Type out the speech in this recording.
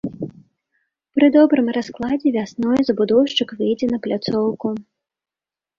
Пры добрым раскладзе вясной забудоўшчык выйдзе на пляцоўку.